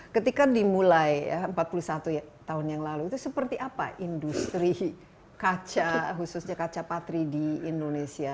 ketika dimulai empat puluh satu tahun yang lalu itu seperti apa industri kaca khususnya kaca patri di indonesia